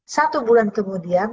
satu bulan kemudian